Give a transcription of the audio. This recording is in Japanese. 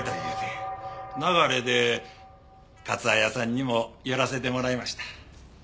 流れでかつ絢さんにも寄らせてもらいました。